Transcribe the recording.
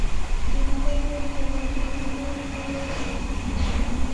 د نړۍ نورو هېوادونو نورې لارې تعقیب کړې.